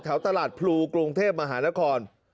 ตลาดพลูกรุงเทพมหานคร